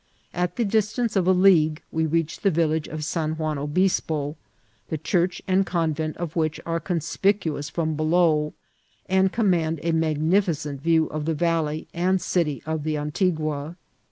At the distance of a league we reached the village of San Juan Obispo, the church and convent of which are conspicuous bom below, and command a magnificent view of the valley and city of the Antigua.